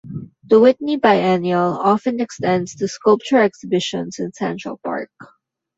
The Whitney Biennial often extends to sculpture exhibitions in Central Park.